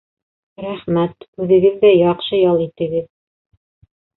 Рәхмәт, үҙегеҙ ҙә яҡшы ял итегеҙ.